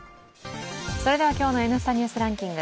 今日の「Ｎスタ・ニュースランキング」。